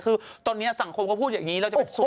คือตอนนี้สังคมเขาพูดอย่างนี้